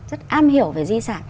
rất am hiểu về di sản